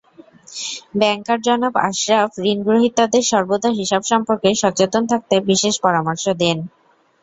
ব্যাংকার জনাব আশরাফ ঋণগ্রহীতাদের সর্বদা হিসাব সম্পর্কে সচেতন থাকতে বিশেষ পরামর্শ দেন।